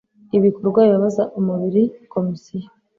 ibikorwa bibabaza umubiri Komisiyo